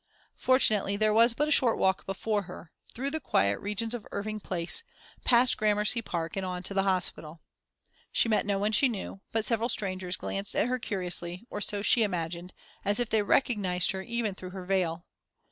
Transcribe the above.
Fortunately there was but a short walk before her, through the quiet regions of Irving Place, past Gramercy Park, and on to the hospital. She met no one she knew, but several strangers glanced at her curiously, or so she imagined, as if they recognized her, even through her veil.